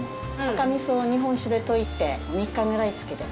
赤味噌を日本酒で溶いて３日ぐらい漬けて。